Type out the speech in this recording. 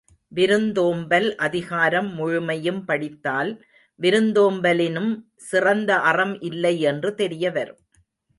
விருந்தோம்பல் அதிகாரம் முழுமையும் படித்தால் விருந்தோம்பலினும் சிறந்த அறம் இல்லை என்று தெரிய வரும்.